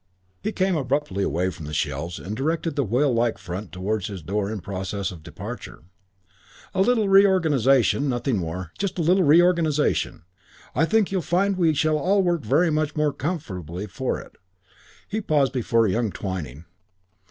He came abruptly away from the shelves and directed the whale like front towards his door in process of departure. "A little reorganisation. Nothing more. Just a little reorganisation. I think you'll find we shall all work very much the more comfortably for it." He paused before young Twyning.